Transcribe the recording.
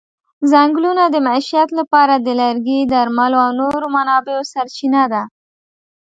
ځنګلونه د معیشت لپاره د لرګي، درملو او نورو منابعو سرچینه ده.